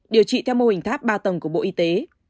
điều trị theo mô hình tháp ba tầng của bộ y tế